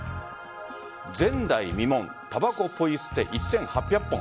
前代未聞たばこポイ捨て１８００本。